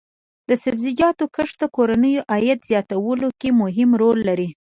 د سبزیجاتو کښت د کورنیو عاید زیاتولو کې مهم رول لري.